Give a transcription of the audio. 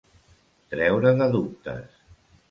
Treure de dubtes.